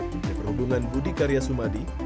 menteri perhubungan budi karya sumadi